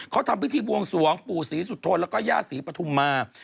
เขาทำพิธีบวงสวงปู่ศรีสุธนแล้วก็ย่าศรีปฐุมมา